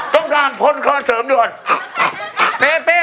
ต้องการพลคอนเสริมด่วน